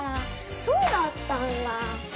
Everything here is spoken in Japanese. そうだったんだ。